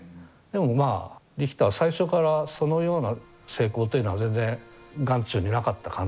でもまあリヒター最初からそのような成功というのは全然眼中になかった感じですよね。